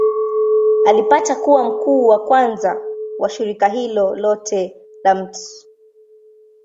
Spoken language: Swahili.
Alipata kuwa mkuu wa kwanza wa shirika hilo lote la Mt.